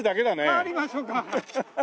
代わりましょうか。